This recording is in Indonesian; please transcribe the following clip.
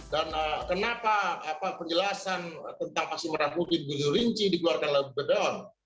dan kenapa penjelasan tentang vaksin merah putih di gunung rinci dikeluarkan lagi ke daun